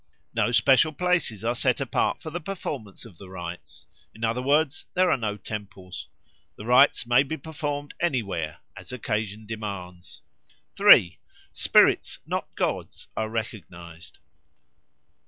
No special places are set apart for the performance of the rites; in other words, there are no temples. The rites may be performed anywhere, as occasion demands. 3. Spirits, not gods, are recognised.